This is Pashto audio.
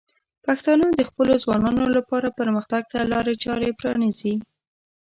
پښتانه د خپلو ځوانانو لپاره پرمختګ ته لارې چارې پرانیزي.